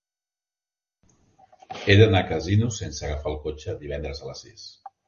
He d'anar a Casinos sense agafar el cotxe divendres a les sis.